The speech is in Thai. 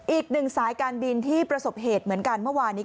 อีกหนึ่งสายการบินที่ประสบเหตุเหมือนกันเมื่อวานนี้